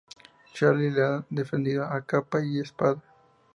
Charlie lo ha defendido a capa y espada.